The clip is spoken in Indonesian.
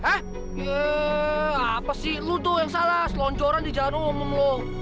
yeee apa sih lu tuh yang salah seloncoran di jalan umum lu